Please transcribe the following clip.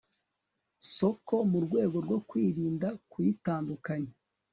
soko mu rwego rwo kwirinda kuyitandukanya